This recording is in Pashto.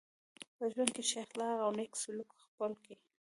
په ژوند کي ښه اخلاق او نېک سلوک خپل کئ.